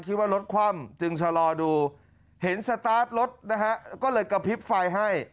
คิดว่ารถคว่ำจึงชะลอดูเห็นสตาร์ทรถนะฮะก็เลยกระพริบไฟให้